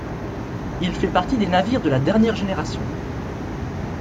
Il fait partie des navires de la dernière génération.